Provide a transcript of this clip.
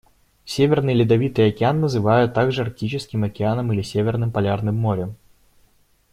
Северный Ледовитый Океан называют также Арктическим Океаном или Северным Полярным Морем.